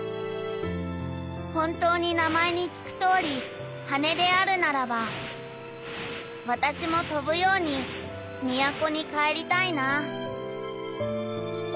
「本当に名前に聞くとおり羽であるならば私も飛ぶように都に帰りたいな」。